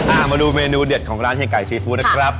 มาดูเมนูเด็ดของร้านเฮียไก่ซีฟู้ดนะครับ